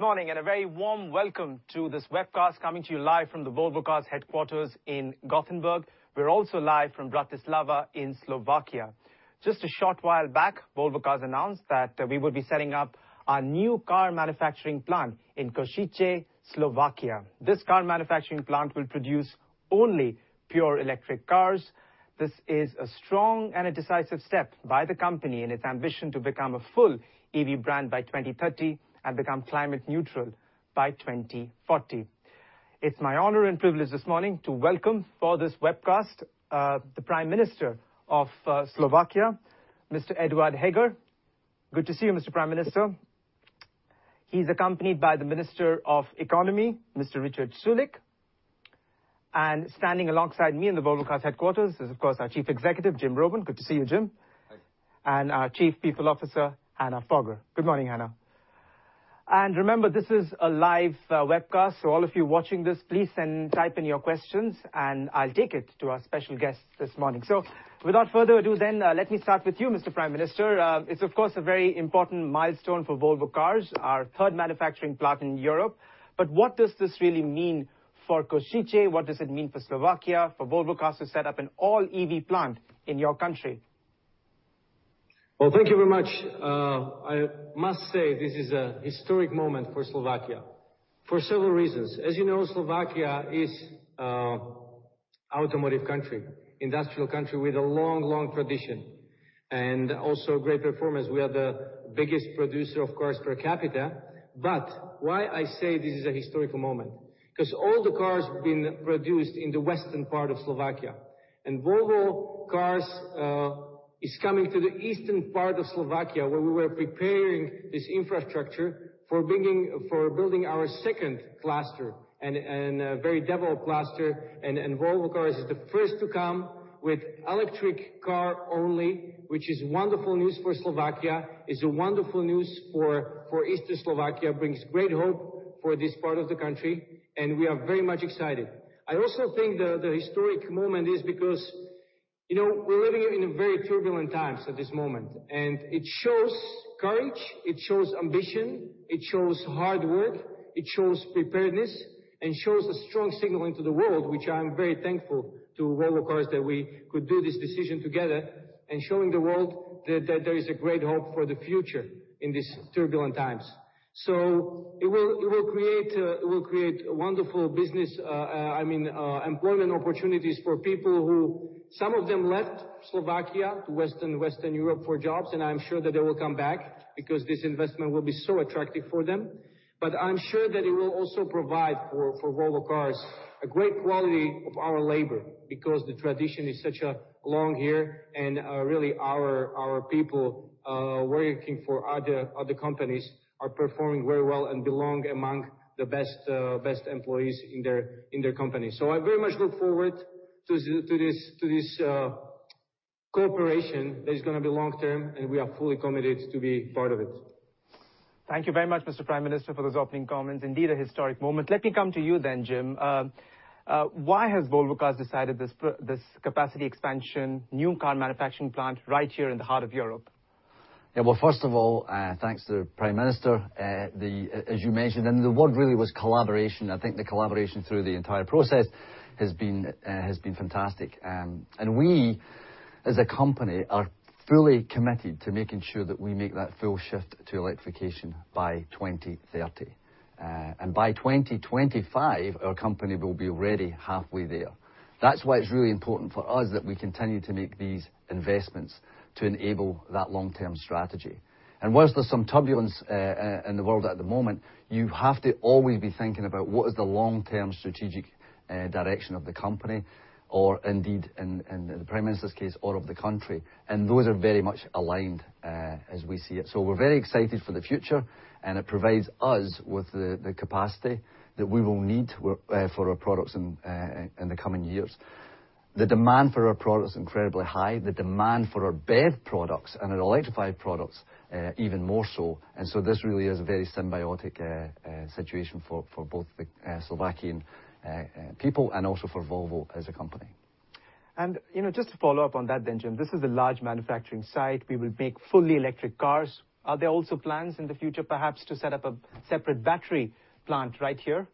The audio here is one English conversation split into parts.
Good morning, and a very warm welcome to this webcast coming to you live from the Volvo Cars headquarters in Gothenburg. We're also live from Bratislava in Slovakia. Just a short while back, Volvo Cars announced that we would be setting up a new car manufacturing plant in Košice, Slovakia. This car manufacturing plant will produce only pure electric cars. This is a strong and a decisive step by the company in its ambition to become a full EV brand by 2030 and become climate neutral by 2040. It's my honor and privilege this morning to welcome for this webcast the Prime Minister of Slovakia, Mr. Eduard Heger. Good to see you, Mr. Prime Minister. He's accompanied by the Minister of Economy, Mr. Richard Sulík. Standing alongside me in the Volvo Cars headquarters is, of course, our Chief Executive, Jim Rowan. Good to see you, Jim. Hi. Our Chief People Officer, Hanna Fager. Good morning, Hanna. Remember, this is a live webcast, so all of you watching this, please type in your questions, and I'll take it to our special guest this morning. Without further ado, let me start with you, Mr. Prime Minister. It's of course a very important milestone for Volvo Cars, our third manufacturing plant in Europe. What does this really mean for Košice? What does it mean for Slovakia, for Volvo Cars to set up an all-EV plant in your country? Well, thank you very much. I must say, this is a historic moment for Slovakia for several reasons. As you know, Slovakia is a automotive country, industrial country with a long, long tradition, and also great performance. We are the biggest producer of cars per capita. Why I say this is a historical moment, 'cause all the cars have been produced in the western part of Slovakia. Volvo Cars is coming to the eastern part of Slovakia, where we were preparing this infrastructure for building our second cluster and a very developed cluster. Volvo Cars is the first to come with electric car only, which is wonderful news for Slovakia. It's wonderful news for Eastern Slovakia, brings great hope for this part of the country, and we are very much excited. I also think the historic moment is because, you know, we're living in very turbulent times at this moment. It shows courage, it shows ambition, it shows hard work, it shows preparedness, and shows a strong signal into the world, which I'm very thankful to Volvo Cars that we could do this decision together. Showing the world that there is a great hope for the future in these turbulent times. It will create wonderful business, I mean, employment opportunities for people who some of them left Slovakia to Western Europe for jobs, and I'm sure that they will come back because this investment will be so attractive for them. I'm sure that it will also provide for Volvo Cars a great quality of our labor because the tradition is such long here and really our people working for other companies are performing very well and belong among the best employees in their company. I very much look forward to this cooperation that is gonna be long-term, and we are fully committed to be part of it. Thank you very much, Mr. Prime Minister, for those opening comments. Indeed, a historic moment. Let me come to you then, Jim. Why has Volvo Cars decided this capacity expansion, new car manufacturing plant right here in the heart of Europe? Yeah. Well, first of all, thanks to the Prime Minister, as you mentioned, and the word really was collaboration. I think the collaboration through the entire process has been fantastic. We as a company are fully committed to making sure that we make that full shift to electrification by 2030. By 2025, our company will be already halfway there. That's why it's really important for us that we continue to make these investments to enable that long-term strategy. While there's some turbulence in the world at the moment, you have to always be thinking about what is the long-term strategic direction of the company or indeed, in the Prime Minister's case, or of the country. Those are very much aligned, as we see it. We're very excited for the future, and it provides us with the capacity that we will need for our products in the coming years. The demand for our product is incredibly high. The demand for our BEV products and our electrified products, even more so. This really is a very symbiotic situation for both the Slovakian people and also for Volvo as a company. You know, just to follow up on that then, Jim, this is a large manufacturing site. We will make fully electric cars. Are there also plans in the future, perhaps, to set up a separate battery plant right here?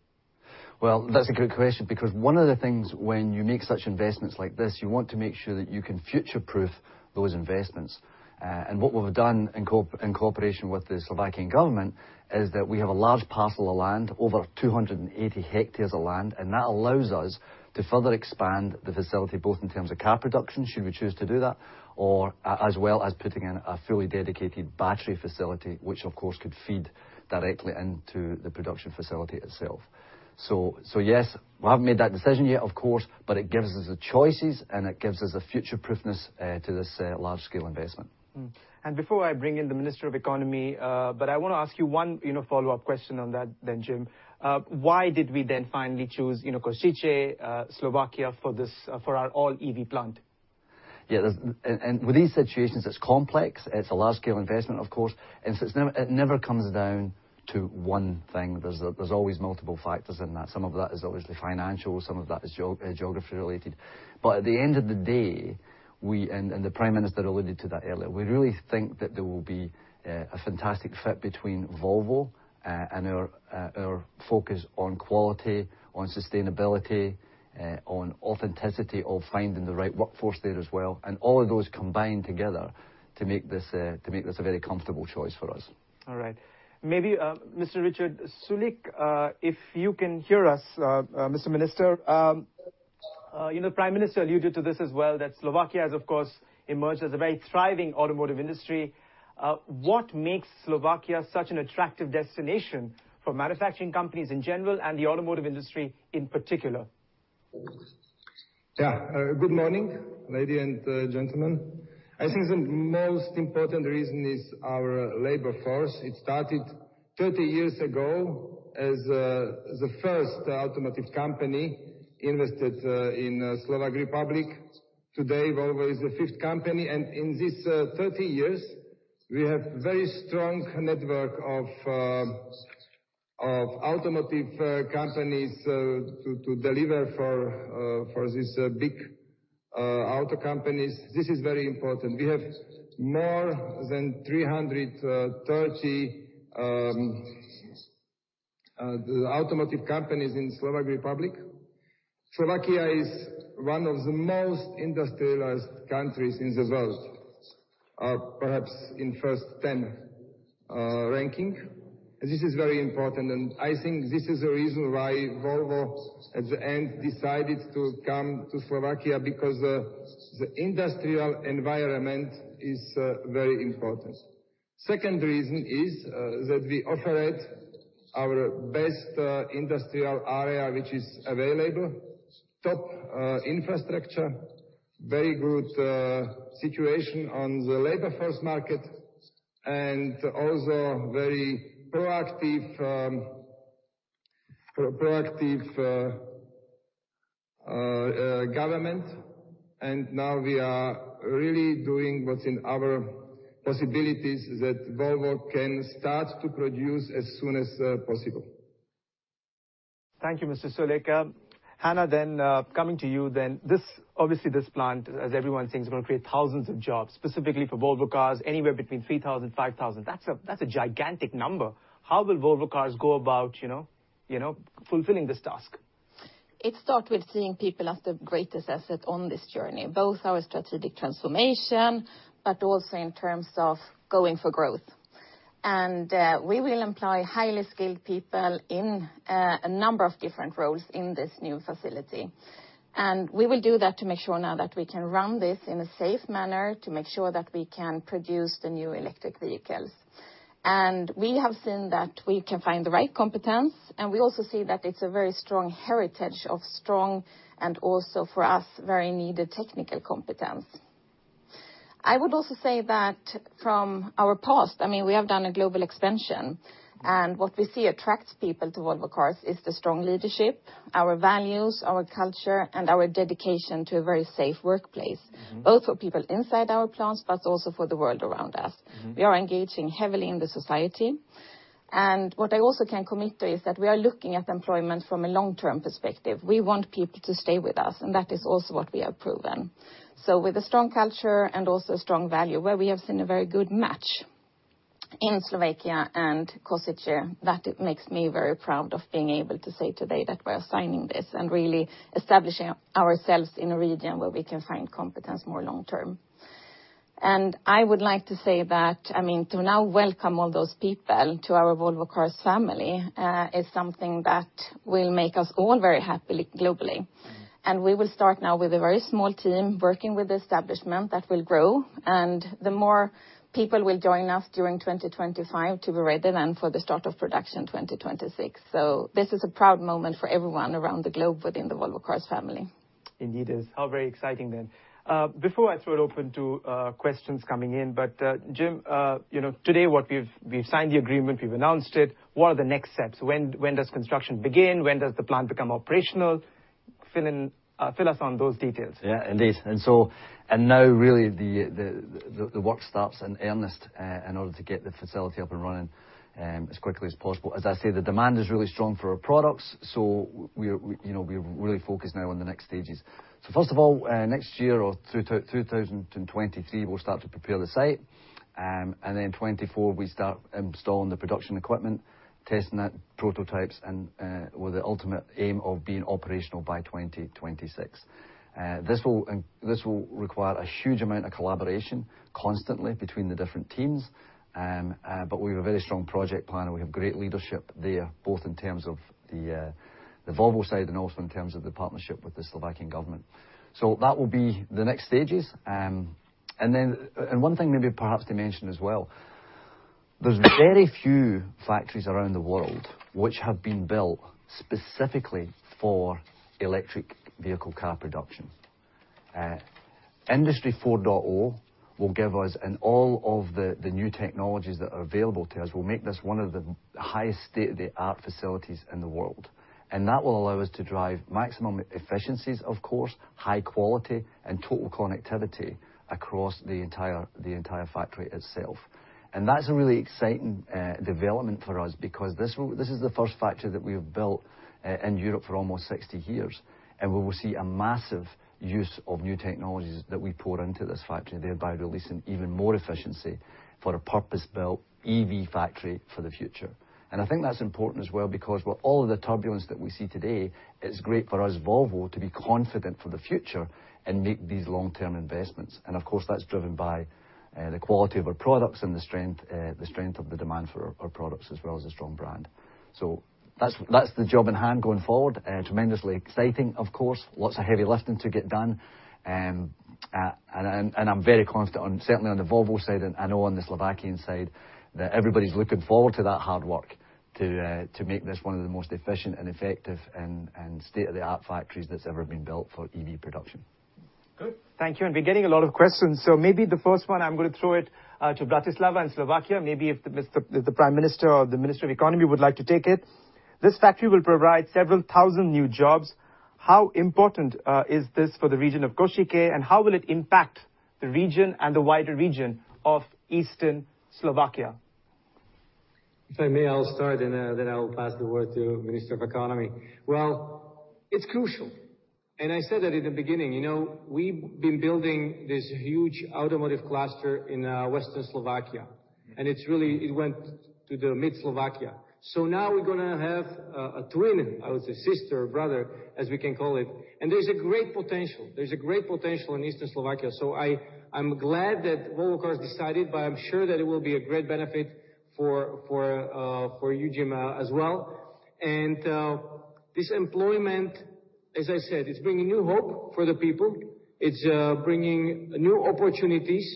Well, that's a good question, because one of the things when you make such investments like this, you want to make sure that you can future-proof those investments. And what we've done in cooperation with the Slovakian government is that we have a large parcel of land, over 280 hectares of land, and that allows us to further expand the facility, both in terms of car production, should we choose to do that, or as well as putting in a fully dedicated battery facility, which of course could feed directly into the production facility itself. Yes, we haven't made that decision yet, of course, but it gives us the choices, and it gives us a future-proofness to this large-scale investment. Before I bring in the Minister of Economy, but I wanna ask you one, you know, follow-up question on that then, Jim. Why did we then finally choose, you know, Košice, Slovakia for this, for our all-EV plant? Yeah. With these situations, it's complex. It's a large-scale investment, of course. It never comes down to one thing. There's always multiple factors in that. Some of that is obviously financial, some of that is geography related. But at the end of the day, we, and the Prime Minister alluded to that earlier. We really think that there will be a fantastic fit between Volvo and our focus on quality, on sustainability, on authenticity, of finding the right workforce there as well, and all of those combined together to make this a very comfortable choice for us. All right. Maybe, Mr. Richard Sulík, if you can hear us, Mr. Minister, you know, Prime Minister alluded to this as well, that Slovakia has, of course, emerged as a very thriving automotive industry. What makes Slovakia such an attractive destination for manufacturing companies in general and the automotive industry in particular? Yeah. Good morning, lady and gentlemen. I think the most important reason is our labor force. It started 30 years ago as the first automotive company invested in Slovak Republic. Today, Volvo is the fifth company. In these 30 years, we have very strong network of automotive companies to deliver for these big auto companies. This is very important. We have more than 330 automotive companies in Slovak Republic. Slovakia is one of the most industrialized countries in the world, perhaps in first 10 ranking. This is very important. I think this is the reason why Volvo, at the end, decided to come to Slovakia, because the industrial environment is very important. Second reason is that we offered our best industrial area, which is available. Top infrastructure, very good situation on the labor force market and also very proactive government. Now we are really doing what's in our possibilities that Volvo can start to produce as soon as possible. Thank you, Mr. Sulík. Hanna, then, coming to you then. Obviously this plant, as everyone thinks, is going to create thousands of jobs, specifically for Volvo Cars, anywhere between 3,000 and 5,000. That's a gigantic number. How will Volvo Cars go about, you know, fulfilling this task? It starts with seeing people as the greatest asset on this journey, both our strategic transformation, but also in terms of going for growth. We will employ highly skilled people in a number of different roles in this new facility. We will do that to make sure now that we can run this in a safe manner, to make sure that we can produce the new electric vehicles. We have seen that we can find the right competence, and we also see that it's a very strong heritage of strong and also for us, very needed technical competence. I would also say that from our past, I mean, we have done a global expansion, and what we see attracts people to Volvo Cars is the strong leadership, our values, our culture, and our dedication to a very safe workplace. Mm-hmm. Both for people inside our plants, but also for the world around us. Mm-hmm. We are engaging heavily in the society. What I also can commit to is that we are looking at employment from a long-term perspective. We want people to stay with us, and that is also what we have proven. With a strong culture and also a strong value, where we have seen a very good match in Slovakia and Košice, that it makes me very proud of being able to say today that we are signing this and really establishing ourselves in a region where we can find competence more long-term. I would like to say that, I mean, to now welcome all those people to our Volvo Cars family, is something that will make us all very happy globally. We will start now with a very small team working with the establishment that will grow, and the more people will join us during 2025 to be ready then for the start of production, 2026. This is a proud moment for everyone around the globe within the Volvo Cars family. Indeed it is. How very exciting. Before I throw it open to questions coming in, Jim, you know, today what we've signed the agreement, we've announced it. What are the next steps? When does construction begin? When does the plant become operational? Fill us in on those details. Yeah, indeed. Now really the work starts in earnest in order to get the facility up and running, as quickly as possible. As I say, the demand is really strong for our products. We're, you know, really focused now on the next stages. First of all, next year or through 2023, we'll start to prepare the site. Then 2024, we start installing the production equipment, testing out prototypes and with the ultimate aim of being operational by 2026. This will require a huge amount of collaboration constantly between the different teams. We have a very strong project plan, and we have great leadership there, both in terms of the Volvo side and also in terms of the partnership with the Slovak government. That will be the next stages. One thing maybe perhaps to mention as well, there's very few factories around the world which have been built specifically for electric vehicle car production. Industry 4.0 will give us, and all of the new technologies that are available to us, will make this one of the highest state-of-the-art facilities in the world. That will allow us to drive maximum efficiencies, of course, high quality, and total connectivity across the entire factory itself. That's a really exciting development for us because this is the first factory that we have built in Europe for almost 60 years. We will see a massive use of new technologies that we put into this factory, thereby releasing even more efficiency for a purpose-built EV factory for the future. I think that's important as well because with all of the turbulence that we see today, it's great for us, Volvo, to be confident for the future and make these long-term investments. Of course, that's driven by the quality of our products and the strength of the demand for our products as well as a strong brand. That's the job in hand going forward. Tremendously exciting, of course. Lots of heavy lifting to get done. I'm very confident on, certainly on the Volvo side, and I know on the Slovak side, that everybody's looking forward to that hard work to make this one of the most efficient and effective and state-of-the-art factories that's ever been built for EV production. Good. Thank you. We're getting a lot of questions. Maybe the first one, I'm gonna throw it to Bratislava in Slovakia. Maybe if the Prime Minister or the Minister of Economy would like to take it. This factory will provide several thousand new jobs. How important is this for the region of Košice, and how will it impact the region and the wider region of Eastern Slovakia? If I may, I'll start, and then I will pass the word to Minister of Economy. It's crucial. I said that in the beginning. You know, we've been building this huge automotive cluster in Western Slovakia. It went to the mid Slovakia. Now we're gonna have a twin, I would say, sister or brother, as we can call it. There's a great potential in Eastern Slovakia. I'm glad that Volvo Cars decided, but I'm sure that it will be a great benefit for you, Jim, as well. This employment, as I said, it's bringing new hope for the people. It's bringing new opportunities.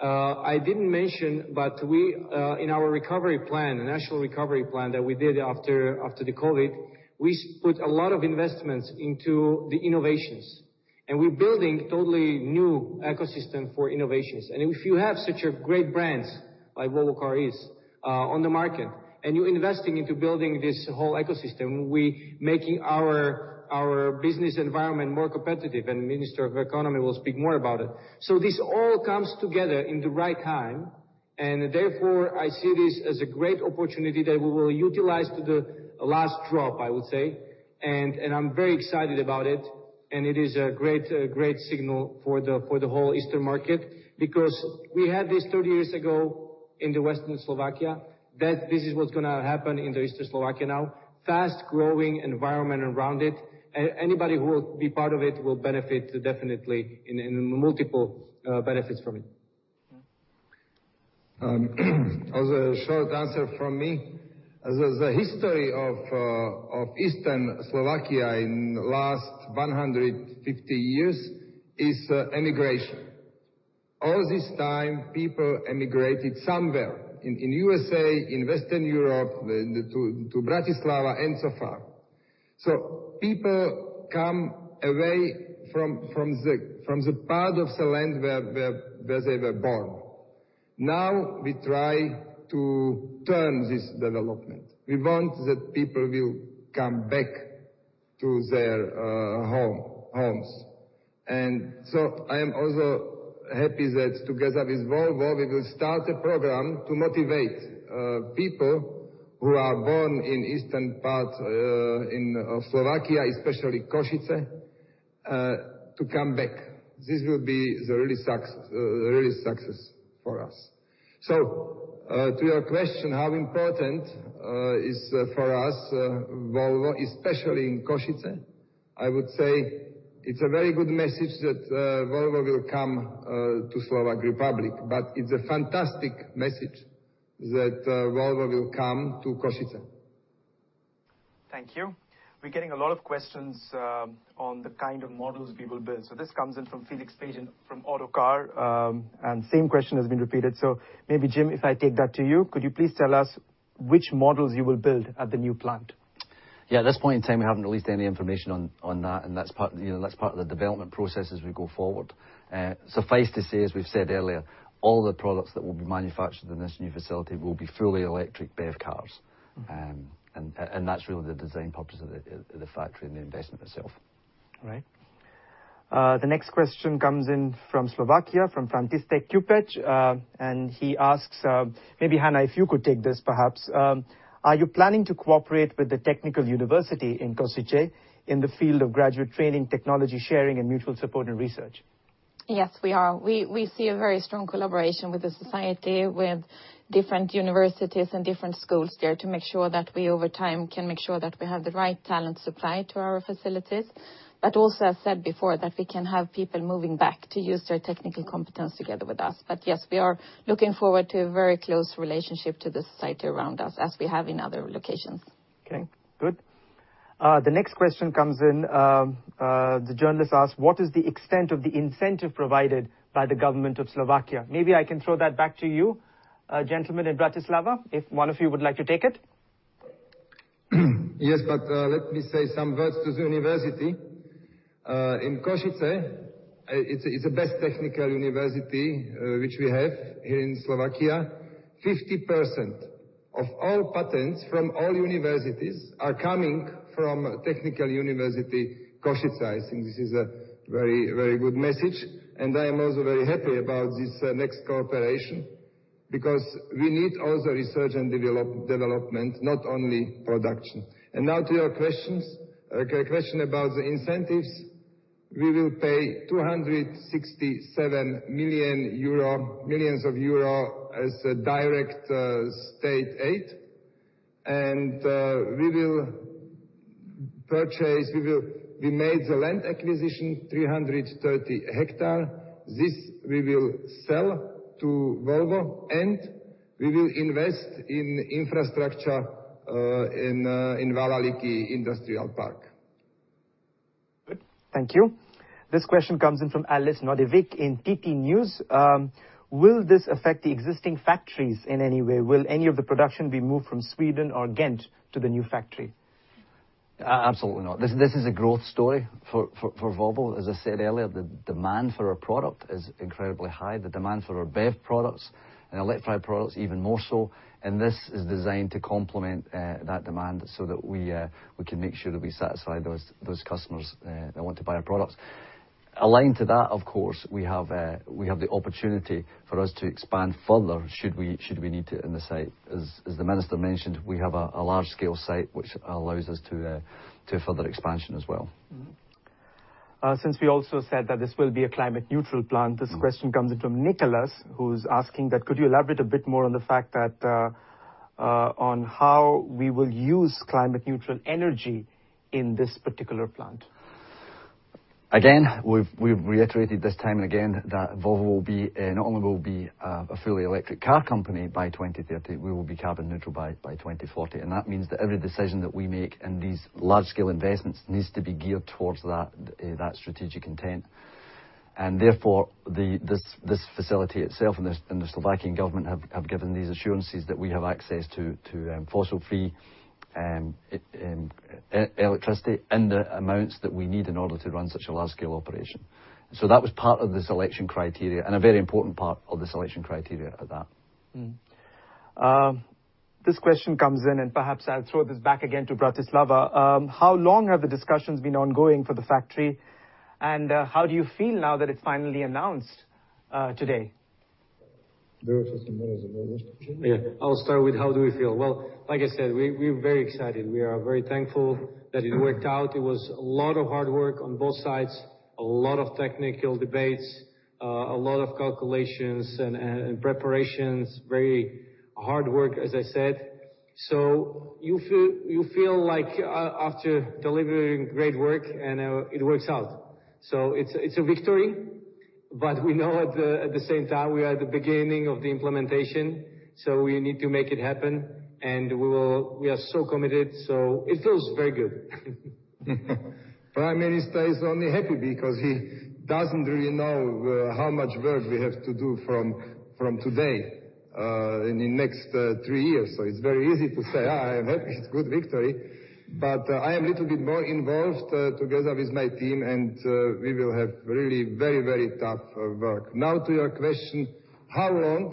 I didn't mention, but we in our recovery plan, the national recovery plan that we did after the COVID, we put a lot of investments into the innovations. We're building totally new ecosystem for innovations. If you have such a great brands, like Volvo Cars is on the market, and you're investing into building this whole ecosystem, we making our business environment more competitive. Minister of Economy will speak more about it. This all comes together in the right time. Therefore, I see this as a great opportunity that we will utilize to the last drop, I would say. I'm very excited about it. It is a great signal for the whole Eastern market because we had this 30 years ago in the western Slovakia, that this is what's gonna happen in the eastern Slovakia now. Fast-growing environment around it. Anybody who will be part of it will benefit definitely in multiple benefits from it. Mm-hmm. Also a short answer from me. The history of Eastern Slovakia in last 150 years is immigration. All this time, people immigrated somewhere. In USA, in Western Europe, to Bratislava, and so far. People come away from the part of the land where they were born. Now we try to turn this development. We want that people will come back to their homes. I am also happy that together with Volvo, we will start a program to motivate people who are born in eastern part of Slovakia, especially Košice, to come back. This will be the really success for us. To your question, how important is for us Volvo, especially in Košice? I would say it's a very good message that Volvo will come to Slovak Republic, but it's a fantastic message that Volvo will come to Košice. Thank you. We're getting a lot of questions on the kind of models we will build. This comes in from Felix Page from Autocar. The same question has been repeated. Maybe, Jim, if I take that to you. Could you please tell us which models you will build at the new plant? Yeah. At this point in time, we haven't released any information on that, and you know that's part of the development process as we go forward. Suffice to say, as we've said earlier, all the products that will be manufactured in this new facility will be fully electric BEV cars. That's really the design purpose of the factory and the investment itself. All right. The next question comes in from Slovakia, from František Dekupec. He asks, maybe Hanna, if you could take this perhaps. Are you planning to cooperate with the Technical University of Košice in the field of graduate training, technology sharing, and mutual support and research? Yes, we are. We see a very strong collaboration with the society, with different universities and different schools there to make sure that we, over time, can make sure that we have the right talent supply to our facilities. Also, as said before, that we can have people moving back to use their technical competence together with us. Yes, we are looking forward to a very close relationship to the society around us, as we have in other locations. Okay, good. The next question comes in. The journalist asks: What is the extent of the incentive provided by the government of Slovakia? Maybe I can throw that back to you, gentlemen in Bratislava, if one of you would like to take it. Yes, let me say some words to the university in Košice. It's the best technical university which we have here in Slovakia. 50% of all patents from all universities are coming from Technical University of Košice. I think this is a very good message, and I am also very happy about this next cooperation because we need also research and development, not only production. Now to your questions. Question about the incentives. We will pay EUR 267 million as a direct state aid. We made the land acquisition 330 hectares. This we will sell to Volvo, and we will invest in infrastructure in Valaliky Industrial Park. Good. Thank you. This question comes in from Alice Nordevik in TT Nyhetsbyrån. Will this affect the existing factories in any way? Will any of the production be moved from Sweden or Ghent to the new factory? Absolutely not. This is a growth story for Volvo. As I said earlier, the demand for our product is incredibly high. The demand for our BEV products and electrified products even more so. This is designed to complement that demand so that we can make sure that we satisfy those customers that want to buy our products. Aligned to that, of course, we have the opportunity for us to expand further should we need to in the site. As the minister mentioned, we have a large-scale site which allows us to further expansion as well. Since we also said that this will be a climate neutral plant, this question comes in from Nicholas, who's asking could you elaborate a bit more on the fact that, on how we will use climate neutral energy in this particular plant. Again, we've reiterated this time and again that Volvo will be not only a fully electric car company by 2030, we will be carbon neutral by 2040. That means that every decision that we make in these large-scale investments needs to be geared towards that strategic intent. Therefore, this facility itself and the Slovak government have given these assurances that we have access to fossil-free electricity in the amounts that we need in order to run such a large-scale operation. That was part of the selection criteria and a very important part of the selection criteria at that. This question comes in, and perhaps I'll throw this back again to Bratislava. How long have the discussions been ongoing for the factory, and how do you feel now that it's finally announced today? Yeah. I'll start with how do we feel. Well, like I said, we're very excited. We are very thankful that it worked out. It was a lot of hard work on both sides, a lot of technical debates, a lot of calculations and preparations. Very hard work, as I said. You feel like after delivering great work and it works out. It's a victory, but we know at the same time, we are at the beginning of the implementation, so we need to make it happen. We will. We are so committed, so it feels very good. Prime Minister is only happy because he doesn't really know how much work we have to do from today in the next three years. It's very easy to say, "Ah, I am happy. It's good victory." I am little bit more involved together with my team and we will have really very tough work. Now to your question, how long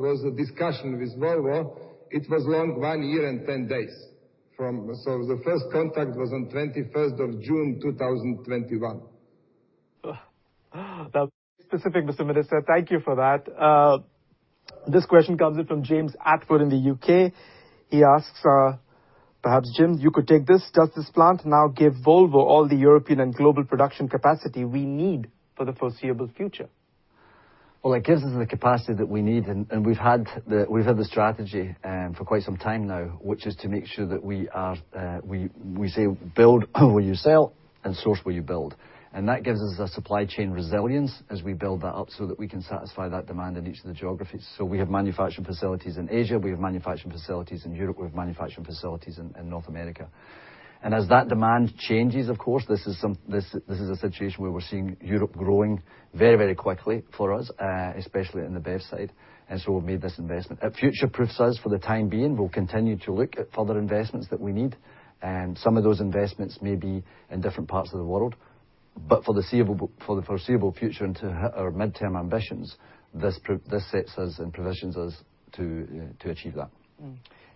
was the discussion with Volvo? It was long, one year and 10 days. The first contact was on twenty-first of June, 2021. That was very specific, Mr. Minister. Thank you for that. This question comes in from James Attwood in the U.K. He asks, perhaps, Jim, you could take this. Does this plant now give Volvo all the European and global production capacity we need for the foreseeable future? Well, it gives us the capacity that we need and we've had the strategy for quite some time now, which is to make sure that we say build what you sell and source where you build. That gives us a supply chain resilience as we build that up so that we can satisfy that demand in each of the geographies. We have manufacturing facilities in Asia, we have manufacturing facilities in Europe, we have manufacturing facilities in North America. As that demand changes, of course, this is a situation where we're seeing Europe growing very quickly for us, especially on the BEV side, and so we've made this investment. It future-proofs us for the time being. We'll continue to look at further investments that we need, and some of those investments may be in different parts of the world. For the foreseeable future into our midterm ambitions, this sets us and provisions us to achieve that.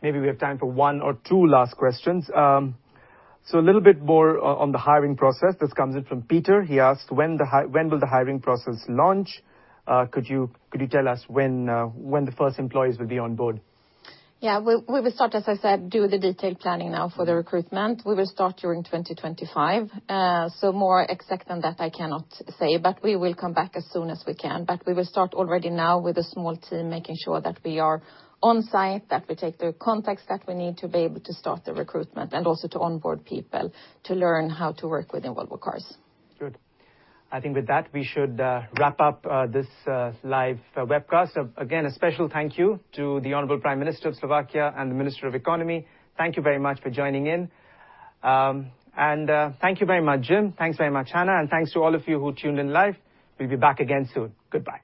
Maybe we have time for one or two last questions. A little bit more on the hiring process. This comes in from Peter. He asks, when will the hiring process launch? Could you tell us when the first employees will be on board? Yeah. We will start, as I said, do the detailed planning now for the recruitment. We will start during 2025. More exact than that I cannot say, but we will come back as soon as we can. We will start already now with a small team, making sure that we are on site, that we take the contacts that we need to be able to start the recruitment and also to onboard people to learn how to work within Volvo Cars. Good. I think with that, we should wrap up this live webcast. A special thank you to the Honorable Prime Minister of Slovakia and the Minister of Economy. Thank you very much for joining in. And thank you very much, Jim. Thanks very much, Hanna, and thanks to all of you who tuned in live. We'll be back again soon. Goodbye.